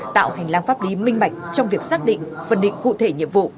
tạo hành lang pháp lý minh bạch trong việc xác định phân định cụ thể nhiệm vụ